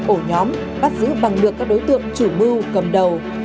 ổ nhóm bắt giữ bằng được các đối tượng chủ mưu cầm đầu